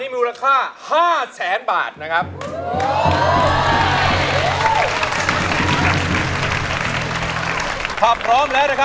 เมลิกภาคกาศและเวลา